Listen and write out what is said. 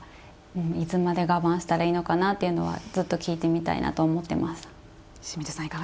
いつまで我慢したらいいのかなっていうのはずっと聞いてみたいなと思ってました。